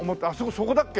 そこだっけ？